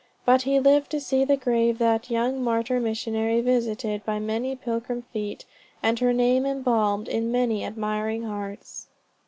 But he lived to see the grave of that young martyr missionary visited by many pilgrim feet, and her name embalmed in many admiring hearts.